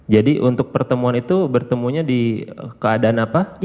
jadi untuk pertemuan itu bertemunya di keadaan apa